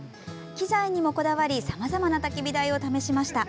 機材にもこだわり、さまざまなたき火台を試しました。